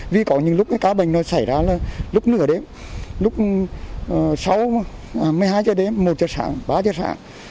vì có những lúc cái cá bệnh nó xảy ra là lúc nửa đêm lúc sáu một mươi hai giờ đêm một giờ sáng ba giờ sáng